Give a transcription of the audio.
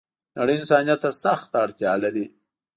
نړۍ انسانيت ته سخته اړتیا لری